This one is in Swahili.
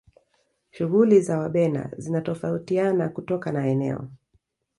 shughuli za wabena zinatofautiana kutoka na eneo